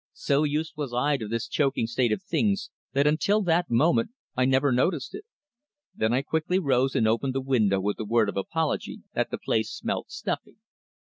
So used was I to this choking state of things that until that moment I never noticed it. Then I quickly rose and opened the window with a word of apology that the place "smelt stuffy."